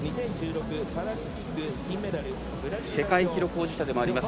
世界記録保持者でもあります